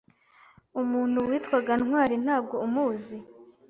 umuntu witwaga Ntwari ntabwo umuzi.